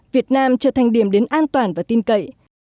việt nam trở thành điểm đến an toàn và tin cậy